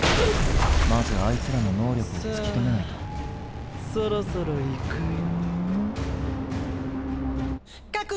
まずあいつらの能力を突き止めないとそろそろいくよ？